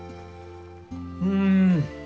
うん。